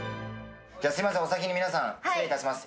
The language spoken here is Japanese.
すいません、お先に皆さん失礼いたします。